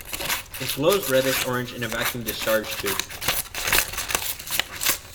It glows reddish-orange in a vacuum discharge tube.